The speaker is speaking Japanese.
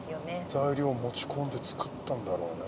材料持ち込んで作ったんだろうね。